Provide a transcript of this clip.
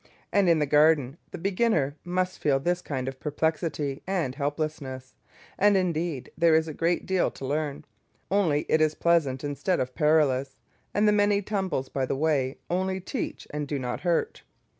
And in gardening the beginner must feel this kind of perplexity and helplessness, and indeed there is a great deal to learn, only it is pleasant instead of perilous, and the many tumbles by the way only teach and do not hurt.